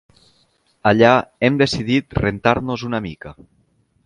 Allà hem decidit rentar-nos una mica.